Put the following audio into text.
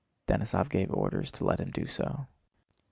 Denísov gave orders to let him do so.